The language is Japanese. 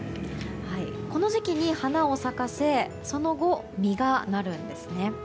この時期に花を咲かせその後、実がなるんですね。